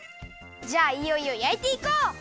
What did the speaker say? じゃあいよいよやいていこう！